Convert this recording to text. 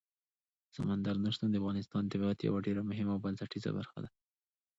سمندر نه شتون د افغانستان د طبیعت یوه ډېره مهمه او بنسټیزه برخه ده.